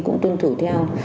cũng tuân thủ theo